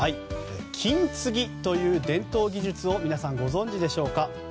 金継ぎという伝統技術を皆さん、ご存じでしょうか？